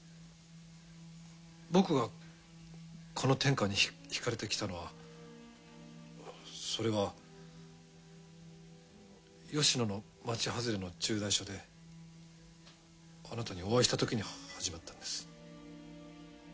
僕がこの天川に引かれてきたのはそれは吉野の町外れの駐在所であなたにお会いしたときに始まったんです。